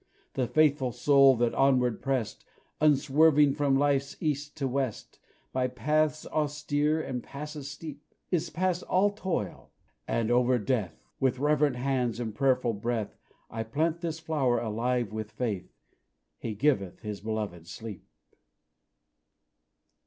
The faithful soul that onward pressed, Unswerving, from Life's east to west, By paths austere and passes steep, Is past all toil; and, over Death, With reverent hands and prayerful breath, I plant this flower, alive with faith "He giveth His beloved sleep."